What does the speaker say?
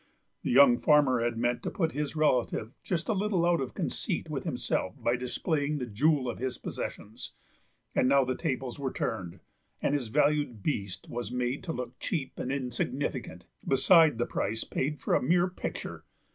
The young farmer had meant to put his relative just a little out of conceit with himself by displaying the jewel of his possessions, and now the tables were turned, and his valued beast was made to look cheap and insignificant beside the price paid for a mere picture.